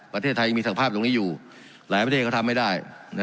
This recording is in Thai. ประเทศไทยยังมีสภาพตรงนี้อยู่หลายประเทศก็ทำไม่ได้